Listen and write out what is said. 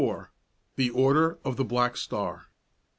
THE ORDER OF THE BLACK STAR.